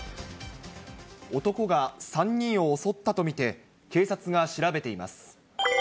男が３人を襲ったと見て、警察が調べています。